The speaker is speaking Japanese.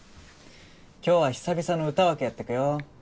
今日は久々の歌枠やってくよ。